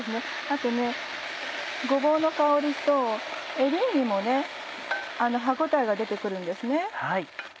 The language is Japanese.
あとごぼうの香りとエリンギも歯応えが出て来るんですね。